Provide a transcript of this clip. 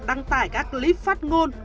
đăng tải các clip phát ngôn